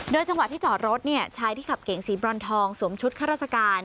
จังหวะที่จอดรถชายที่ขับเก๋งสีบรอนทองสวมชุดข้าราชการ